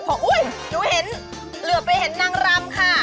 ดูเห็นเหลือเป็นนางรำค่ะ